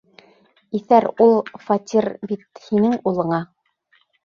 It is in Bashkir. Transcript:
Иҫәр, ул фатир бит һинең улыңа!